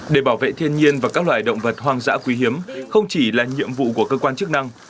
để bảo vệ thiên nhiên và các loài động vật hoang dã quý hiếm không chỉ là nhiệm vụ của cơ quan chức năng